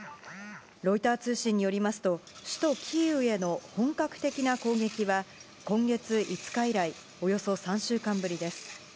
ロイター通信によりますと、首都キーウへの本格的な攻撃は、今月５日以来、およそ３週間ぶりです。